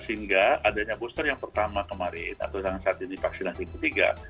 sehingga adanya booster yang pertama kemarin atau yang saat ini vaksinasi ketiga